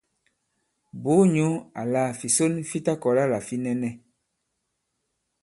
Bùu nyǔ àlà fìson fi ta-kɔ̀la là fi nɛnɛ.